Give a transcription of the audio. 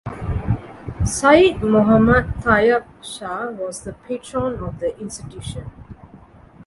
Syed Muhammad Tayyab Shah was the patron of the institution.